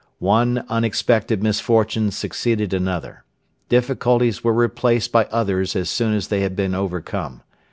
One unexpected misfortune succeeded another. Difficulties were replaced by others as soon as they had been overcome.